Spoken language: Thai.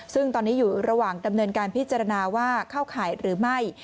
ซึ่งตอนนี้อยู่ระหว่างดำเนินการพิจารณาว่าเข้าข่ายหรือไม่